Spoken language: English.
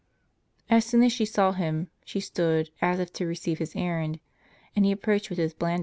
As soon as she saw him, she stood, as if to receive his errand, and he approached with his blande.